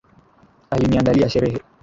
Aliniandalia sherehe!